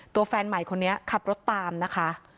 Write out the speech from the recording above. แฟนใหม่คนนี้ขับรถตามนะคะ